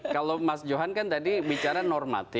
kalau mas johan kan tadi bicara normatif